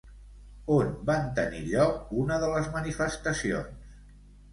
On va tenir lloc una de les manifestacions?